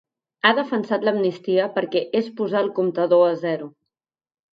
Ha defensat l’amnistia perquè ‘és posar el comptador a zero’.